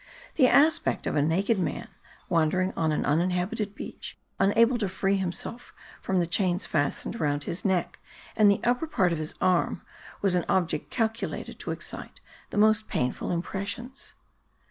The aspect of a naked man wandering on an uninhabited beach, unable to free himself from the chains fastened round his neck and the upper part of his arm, was an object calculated to excite the most painful impressions.